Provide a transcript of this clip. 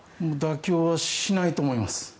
妥協はしないと思います。